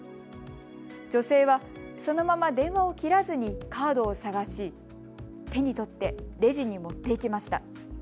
女性は、そのまま電話を切らずにカードを探し手に取ってレジに持って行きました。